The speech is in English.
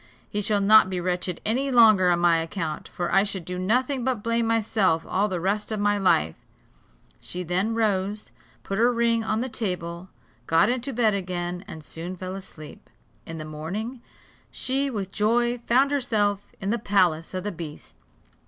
He shall not be wretched any longer on my account; for I should do nothing but blame myself all the rest of my life," She then rose, put her ring on the table, got into bed again, and soon fell asleep. In the morning she with joy found herself in the palace of the beast.